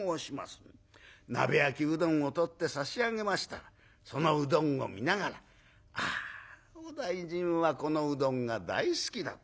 鍋焼きうどんを取って差し上げましたらそのうどんを見ながらあお大尽はこのうどんが大好きだった。